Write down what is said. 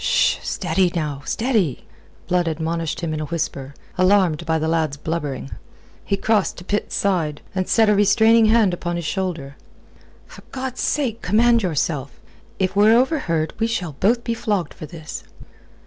"Sh! Steady now! Steady!" Blood admonished him in a whisper, alarmed by the lad's blubbering. He crossed to Pitt's side, and set a restraining hand upon his shoulder. "For God's sake, command yourself. If we're overheard we shall both be flogged for this."